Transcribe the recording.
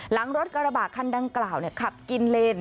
หลังรถกระบะคันดังกล่าวขับกินเลน